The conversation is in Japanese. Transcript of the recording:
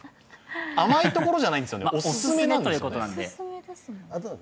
甘いところじゃないんですよね、オススメなんですよね。